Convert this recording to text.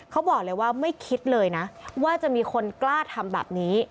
เขาบอกเลยว่าไม่คิดเลยนะว่าจะมีคนกล้าทำแบบนี้